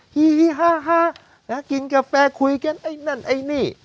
ฮีฮีฮ่าฮ่าแล้วกินกาแฟคุยกันไอ้นั่นไอ้นี่